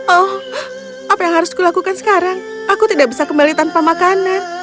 oh apa yang harus kulakukan sekarang aku tidak bisa kembali tanpa makanan